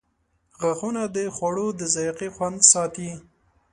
• غاښونه د خوړو د ذایقې خوند ساتي.